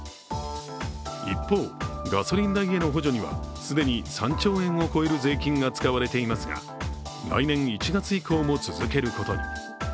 一方、ガソリン代への補助には既に３兆円を超える税金が使われていますが来年１月以降も続けることに。